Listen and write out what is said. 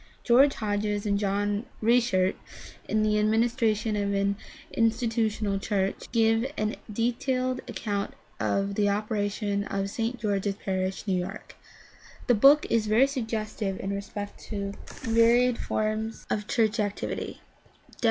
George Hodges and John Reichert, in The Administration of an Institutional Church (New York: Harper, 1906), give a detailed account of the operation of St. George's Parish, New York. The book is very suggestive in respect to varied forms of church activity.